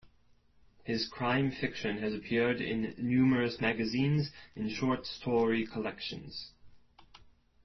His crime fiction has appeared in numerous magazines and short-story collections.